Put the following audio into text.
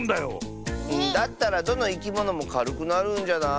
だったらどのいきものもかるくなるんじゃない？